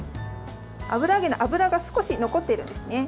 油揚げの油が少し残っているんですね。